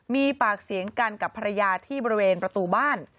มีปากเสียงกันกับภรรยาที่บริเวณประตูบ้าน